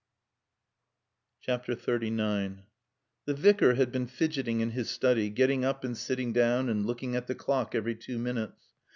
XXXIX The Vicar had been fidgeting in his study, getting up and sitting down, and looking at the clock every two minutes.